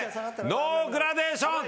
ノーグラデーション。